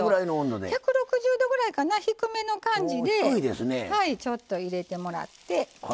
１６０度ぐらいの低めの感じでちょっと入れてもらって。